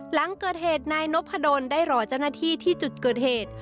หลังเกิดเหตุนายนพดลได้รอเจ้าหน้าที่ที่จุดเกิดเหตุ